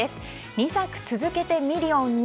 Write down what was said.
２作続けてミリオンに。